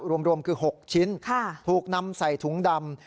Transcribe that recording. รวมคือ๖ชิ้นถูกนำใส่ถุงดำ